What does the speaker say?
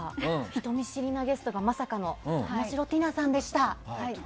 人見知りなゲストがまさかの玉城ティナさんでした。